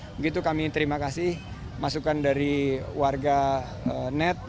begitu kami terima kasih masukan dari warga net